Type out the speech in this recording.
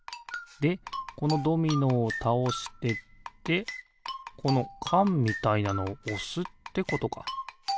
でこのドミノをたおしてってこのかんみたいなのをおすってことか。